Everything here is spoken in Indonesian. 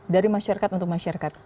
dari masyarakat untuk masyarakat